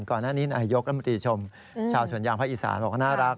ก่อนหน้านี้นายกรัฐมนตรีชมชาวสวนยางภาคอีสานบอกว่าน่ารัก